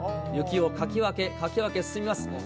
雪をかき分け、かき分け進みます。